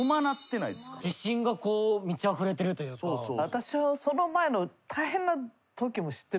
私はその前の。